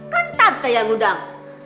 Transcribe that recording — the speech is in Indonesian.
kan tante yang undang